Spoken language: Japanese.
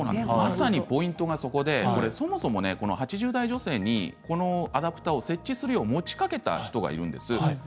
まさにポイントがそこでそもそも８０代女性にこのアダプタを設置するよう持ちかけた人がいるんです。